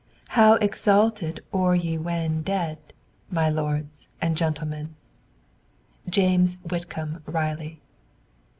How exalted o'er ye when Dead, my lords and gentlemen! James Whitcomb Riley.